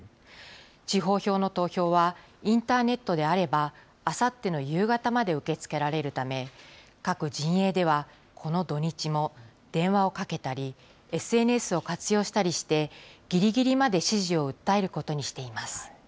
地方票の投票はインターネットであれば、あさっての夕方まで受け付けられるため、各陣営では、この土日も電話をかけたり、ＳＮＳを活用したりして、ぎりぎりまで支持を訴えることにしています。